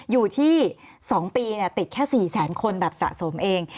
อยู่ที่๒ปีติดแค่๔แสนคนแบบสะสมเอง